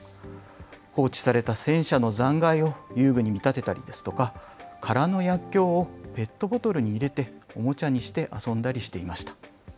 放置された戦車の残骸を遊具に見立てたりですとか、空の薬きょうをペットボトルに入れて、おもちゃにして遊んだりしていました。